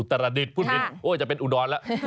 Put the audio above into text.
ตรดิษฐ์พูดถึงโอ้จะเป็นอุดรแล้ว